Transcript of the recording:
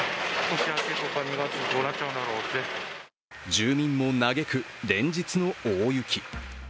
住民も嘆く連日の大雪。